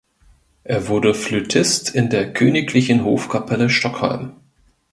Er wurde Flötist in der "Königlichen Hofkapelle Stockholm".